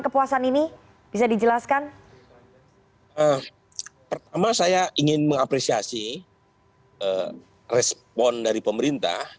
pertama saya ingin mengapresiasi respon dari pemerintah